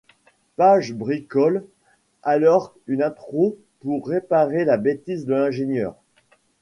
Page bricole alors une intro pour réparer la bêtise de l'ingénieur.